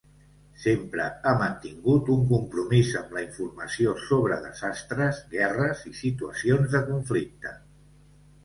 Sempre ha mantingut un compromís amb la informació sobre desastres, guerres i situacions de conflicte.